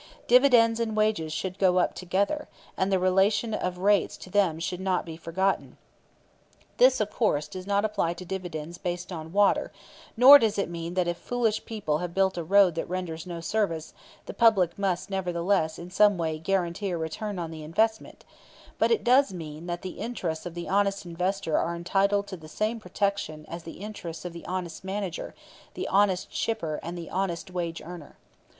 Dividends and wages should go up together; and the relation of rates to them should never be forgotten. This of course does not apply to dividends based on water; nor does it mean that if foolish people have built a road that renders no service, the public must nevertheless in some way guarantee a return on the investment; but it does mean that the interests of the honest investor are entitled to the same protection as the interests of the honest manager, the honest shipper and the honest wage earner.